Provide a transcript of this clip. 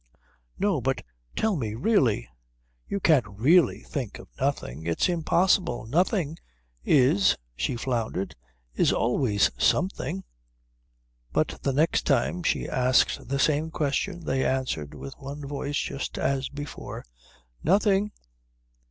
"No, but tell me really you can't really think of nothing. It's impossible. Nothing is" she floundered "is always something ." But the next time she asked the same question they answered with one voice just as before, "Nothing."